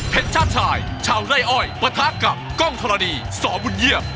ชาติชายชาวไร่อ้อยปะทะกับกล้องธรณีสบุญเยี่ยม